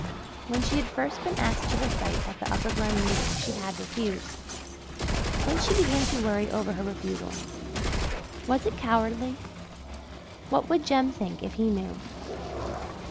When she had first been asked to recite at the Upper Glen meeting she had refused. Then she began to worry over her refusal. Was it cowardly? What would Jem think if he knew?